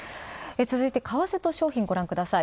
続いて為替と商品ごらんください。